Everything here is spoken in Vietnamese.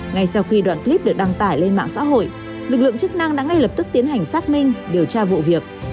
ngay sau khi đoạn clip được đăng tải lên mạng xã hội lực lượng chức năng đã ngay lập tức tiến hành xác minh điều tra vụ việc